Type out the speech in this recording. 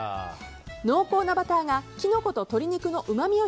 濃厚なバターがキノコと鶏肉のうまみを